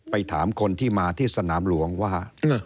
ถามคนที่มาที่สนามหลวงว่า